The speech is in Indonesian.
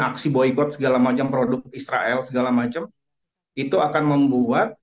aksi boykot segala macam produk israel segala macam itu akan membuat